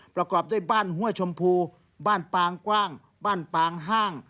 ประกอบด้วยบ้านห้วยชมพูบ้านปางกว้างบ้านปางห้าง